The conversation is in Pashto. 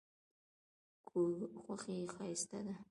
خوښي ښایسته ده.